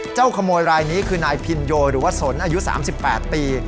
ขโมยรายนี้คือนายพินโยหรือว่าสนอายุ๓๘ปี